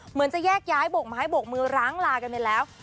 เหมือนจะแยกย้ายโบกไม้โบกมือร้างรานะ